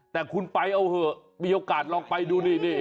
แต่คุณไปเอาเหอะมีโอกาสลองไปดูนี่